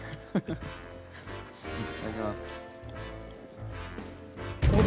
いただきます。